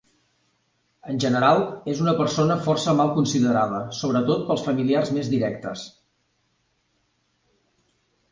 En general, és una persona força mal considerada, sobretot pels familiars més directes.